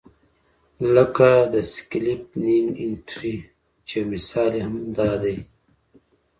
لکه د سکیلپنګ انټري چې یو مثال یې هم دا دی.